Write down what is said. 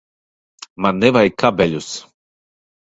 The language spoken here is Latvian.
Man nevajag kabeļus.